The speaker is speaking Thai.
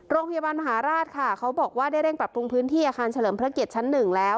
โรงพยาบาลมหาราชค่ะเขาบอกว่าได้เร่งปรับปรุงพื้นที่อาคารเฉลิมพระเกียรติชั้นหนึ่งแล้ว